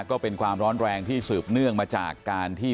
ก็เป็นความร้อนแรงที่สืบเนื่องมาจากการที่